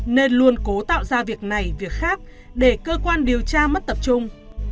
nên luôn cố tạo ra việc này việc khác để cơ quan điều tra mất tập trung